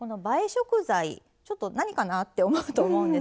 食材ちょっと何かなって思うと思うんですが